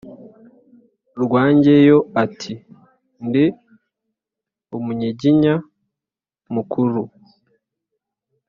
Rwangeyo ati: “Ndi Umunyiginya mukuru